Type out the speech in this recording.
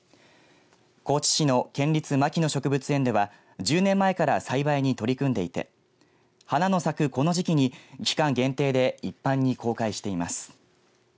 高知市の県立牧野植物園では１０年前から栽培に取り組んでいて花の咲くこの時期に期間限定で一般に公開しています。